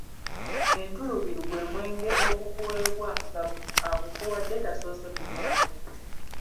Entulubiru gwe mwenge ogukuweebwa nga agukuwadde tasoose kunywako.